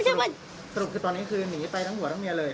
สรุปคือตอนนี้คือหนีไปทั้งผัวทั้งเมียเลย